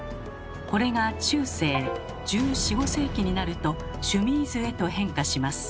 これが中世１４１５世紀になると「シュミーズ」へと変化します。